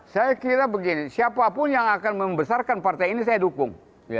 saya kira begini siapapun yang akan membesarkan partai ini saya dukung